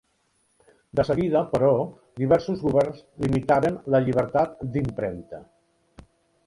De seguida, però, diversos governs limitaren la llibertat d'impremta.